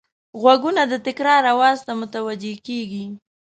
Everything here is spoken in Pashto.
غوږونه د تکرار آواز ته متوجه کېږي